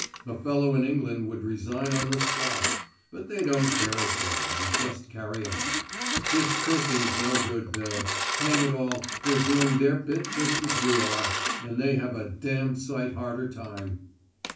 A fellow in England would resign on the spot. But they don't care a damn, and just carry on. This cursing's no good, Bill. Hang it all, they're doing their bit same as we are, and they have a d d sight harder time."